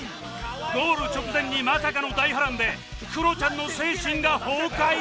ゴール直前にまさかの大波乱でクロちゃんの精神が崩壊？